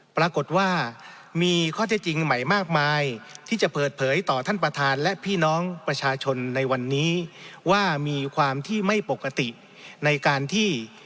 ปรากฏว่ามีข้อเท็จจริงใหม่มากมายที่จะเปิดเผยต่อท่านประธานและพี่น้องประชาชนในวันนี้ว่ามีความที่ไม่ปกติในการที่